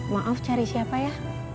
maaf cari siapa ya